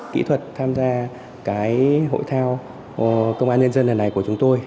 kỹ thuật tham gia cái hội thao công an nhân dân lần này của chúng tôi